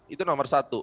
itu nomor satu